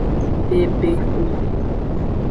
Bebexu.